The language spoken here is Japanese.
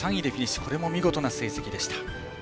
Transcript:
これも見事な成績でした。